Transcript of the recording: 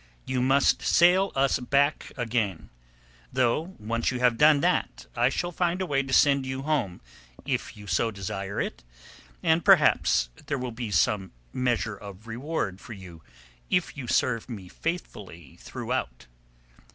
You must sail us back again, though once you have done that I shall find a way to send you home if you so desire it, and perhaps there will be some measure of reward for you if you serve me faithfully throughout.